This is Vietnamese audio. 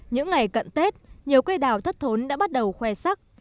những ngày cận tết nhiều cây đào thất thốn đã bắt đầu khoe sắc